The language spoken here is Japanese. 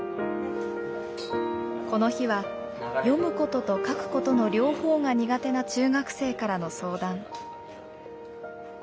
この日は読むことと書くことの両方が苦手な中学生からの相談。